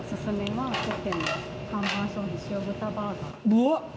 うわっ！